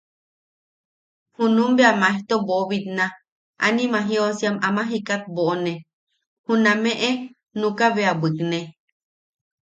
Junum bea maejto boʼobitna, anima jiosiam ama jikat boʼone, junameʼe nukaʼa bea bwikne.